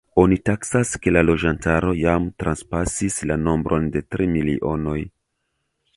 Oni taksas, ke la loĝantaro jam transpasis la nombron de tri milionoj.